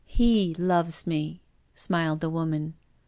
He loves me !" smiled the woman.